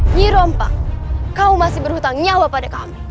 nyi rompa kau masih berhutang nyawa pada kami